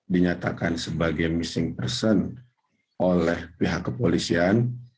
dinyatakan sebagai missing person oleh pihak kepolisian